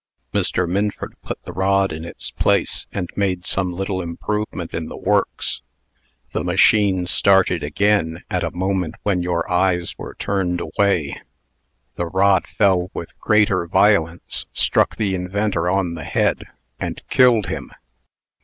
Mr. Minford put the rod in its place, and made some little improvement in the works! The machine started again at a moment when your eyes were turned away! The rod fell with greater violence, struck the inventor on the head, and killed him!